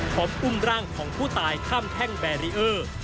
อุ้มร่างของผู้ตายข้ามแท่งแบรีเออร์